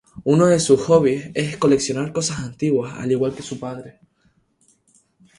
Unos de sus hobbies es coleccionar cosas antiguas, al igual que su padre.